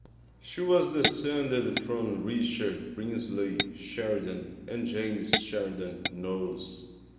She was descended from Richard Brinsley Sheridan and James Sheridan Knowles.